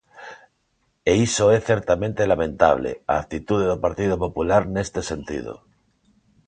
E iso é certamente lamentable, a actitude do Partido Popular neste sentido.